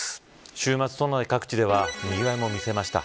週末、都内各地ではにぎわいをみせました。